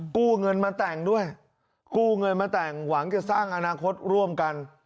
กู้เงินมาแต่งด้วยกู้เงินมาแต่งหวังจะสร้างอนาคตร่วมกัน